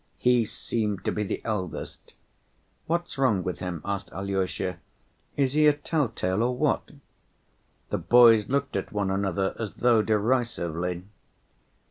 He seemed to be the eldest. "What's wrong with him?" asked Alyosha, "is he a tell‐tale or what?" The boys looked at one another as though derisively.